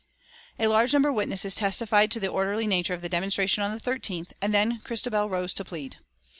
A large number of witnesses testified to the orderly nature of the demonstration on the 13th, and then Christabel rose to plead.